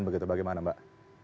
begitu bagaimana mbak